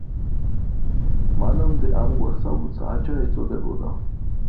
მანამდე ამგვარ საბუთს აჯა ეწოდებოდა.